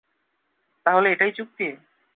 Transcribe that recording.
তাহলে এটাই চুক্তি?